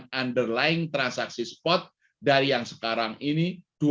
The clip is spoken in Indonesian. dan underlying transaksi spot dari yang sekarang ini